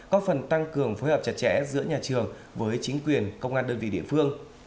có phần tăng cường phối hợp chặt chẽ giữa nhà trường với chính quyền công an đơn vị địa phương